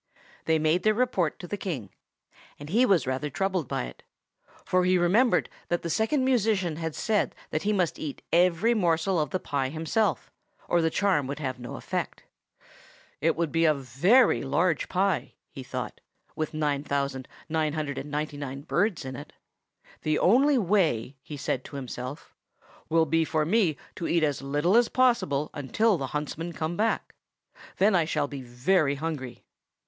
They made their report to the King, and he was rather troubled by it; for he remembered that the Second Musician had said he must eat every morsel of the pie himself, or the charm would have no effect. It would be a very large pie, he thought, with nine thousand nine hundred and ninety nine birds in it. "The only way," he said to himself, "will be for me to eat as little as possible until the huntsmen come back; then I shall be very hungry.